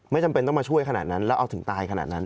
จำเป็นต้องมาช่วยขนาดนั้นแล้วเอาถึงตายขนาดนั้น